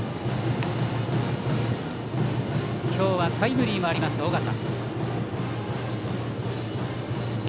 今日はタイムリーもあります緒方。